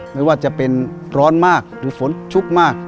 ไม่ว่าจะเป็นร้อนมากหรือฝนชุกมาก